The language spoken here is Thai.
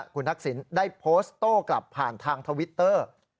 คุณทักษิณได้โพสต์โต้กลับผ่านทางทวิตเตอร์